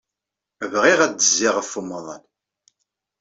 Bɣiɣ ad d-zziɣ ɣef umaḍal.